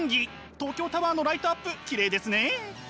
東京タワーのライトアップきれいですね。